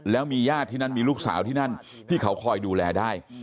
แล้วมีญาติที่นั่นมีลูกสาวที่นั่นที่เขาคอยดูแลได้